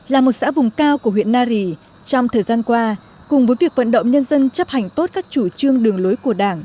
là một xã vùng cao của huyện nari trong thời gian qua cùng với việc vận động nhân dân chấp hành tốt các chủ trương đường lối của đảng